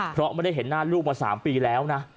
เพราะไม่ได้เห็นหน้าลูกมา๓ปีแล้วนะ